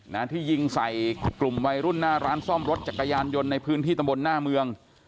นะที่ยิงใส่กลุ่มวัยรุ่นหน้าร้านซ่อมรถจักรยานยนต์ในพื้นที่ตำบลหน้าเมือง